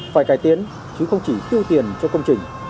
phải cải tiến chứ không chỉ tiêu tiền cho công trình